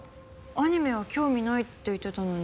アニメは興味ないって言ってたのに。